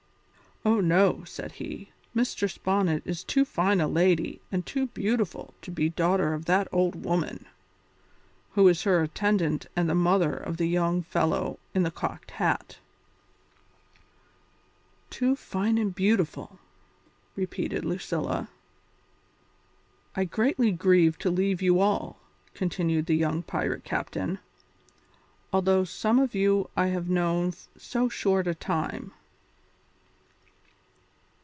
"Oh, no," said he. "Mistress Bonnet is too fine a lady and too beautiful to be daughter to that old woman, who is her attendant and the mother of the young fellow in the cocked hat." "Too fine and beautiful!" repeated Lucilla. "I greatly grieve to leave you all," continued the young pirate captain, "although some of you I have known so short a time.